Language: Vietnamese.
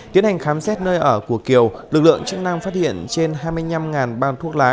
tiến hành khám xét nơi ở của kiều lực lượng chức năng phát hiện trên hai mươi năm bao thuốc lá